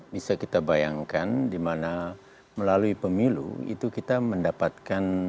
bisa kita bayangkan dimana melalui pemilu itu kita mendapatkan